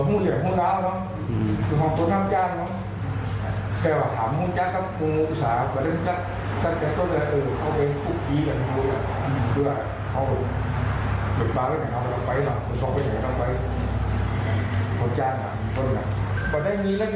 เน่ามาพวกนี้เขาเป็นจุดหมุนถ้าเขาไปจังล้มเราจะเนี่ย